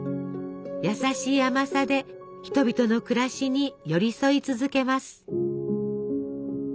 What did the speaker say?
優しい甘さで人々の暮らしに寄り添い続けます。